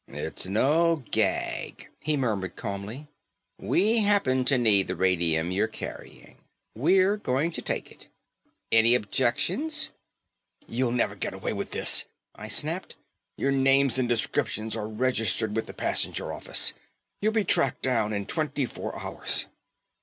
"It's no gag," he murmured calmly, "we happen to need the radium you're carrying. We're going to take it. Any objections?" "You'll never get away with this," I snapped, "your names and descriptions are registered with the passenger office. You'll be tracked down in twenty four hours."